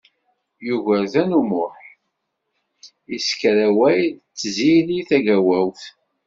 Yugurten U Muḥ isekker awal d Tiziri Tagawawt.